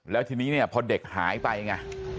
แล้วทีนี้เนี่ยพอเด็กหายไปไง